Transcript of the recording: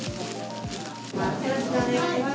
よろしくお願いします。